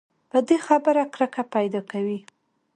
بدې خبرې کرکه پیدا کوي.